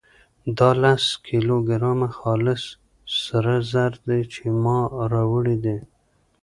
دا لس کيلو ګرامه خالص سره زر دي چې ما راوړي دي.